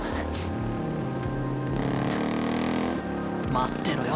待ってろよ